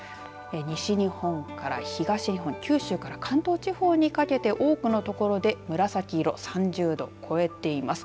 西日本から東日本九州から関東地方にかけて多くの所で紫色３０度を超えています。